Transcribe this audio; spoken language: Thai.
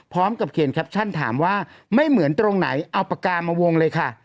พร้อมกับเขียนแคปชั่นถามว่าไม่เหมือนตรงไหนเอาปากกามาวงเลยค่ะ